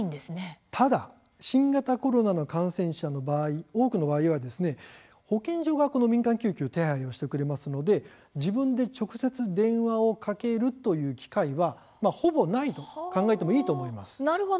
ただ、新型コロナの感染者の場合多くの場合は保健所が、この民間救急を手配してくれますので自分で直接電話をかけるという機会はほぼないと考えていいと思います。